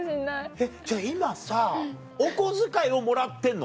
えっじゃあ今さお小遣いをもらってんの？